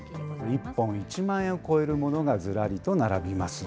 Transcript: １本１万円を超えるものがずらりと並びます。